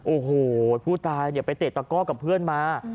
โอ้โหผู้ตายไปเตะตะก้อกับเพื่อนมา